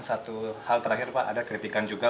satu hal terakhir pak ada kritikan juga